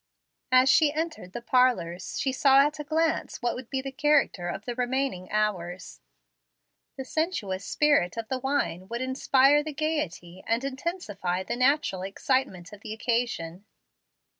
As she entered the parlors she saw at a glance what would be the character of the remaining hours. The sensuous spirit of wine would inspire the gayety and intensify the natural excitement of the occasion.